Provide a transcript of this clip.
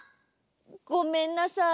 ごめんなさい。